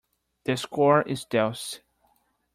The score is deuce.